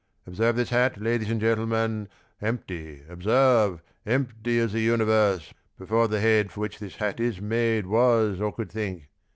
" Observe this hat, Ladies and gentlemen; Empty, observe, empty^^ the universe Before the Head for which this Hat is made Was, or could think.